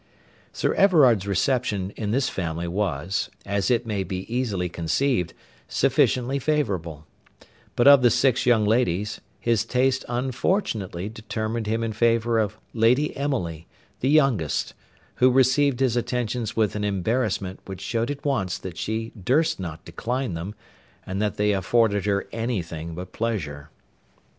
Sir Everard's reception in this family was, as it may be easily conceived, sufficiently favourable; but of the six young ladies, his taste unfortunately determined him in favour of Lady Emily, the youngest, who received his attentions with an embarrassment which showed at once that she durst not decline them, and that they afforded her anything but pleasure.